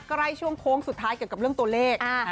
ใกล้ช่วงโค้งสุดท้ายเกี่ยวกับเรื่องตัวเลข